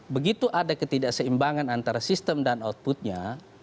begitu ada ketidakseimbangan antara sistem dan outputnya